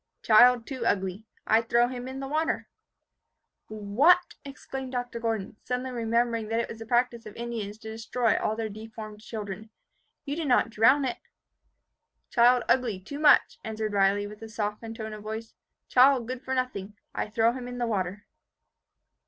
Child too ugly. I throw him in the water." "What!" exclaimed Dr. Gordon, suddenly remembering that it was the practice of the Indians to destroy all their deformed children. "You did not drown it?" "Child ugly too much," answered Riley, with a softened tone of voice. "Child good for nothing. I throw him in the water."